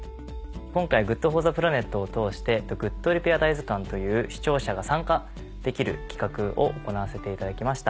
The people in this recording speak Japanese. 今回ＧｏｏｄＦｏｒｔｈｅＰｌａｎｅｔを通して。という視聴者が参加できる企画を行わせていただきました。